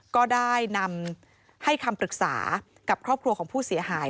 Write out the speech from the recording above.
ก็ได้นำให้คำปรึกษากับครอบครัวของผู้เสียหาย